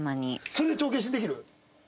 それで帳消しにできる？